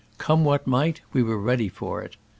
Come what might, we were ready for it.